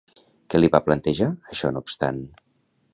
Qui la va plantejar, això no obstant?